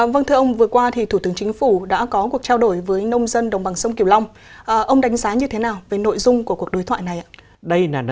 vâng thưa ông vừa qua thì thủ tướng chính phủ đã có cuộc trao đổi với nông dân đồng bằng sông kiều long ông đánh giá như thế nào về nội dung của cuộc đối thoại này ạ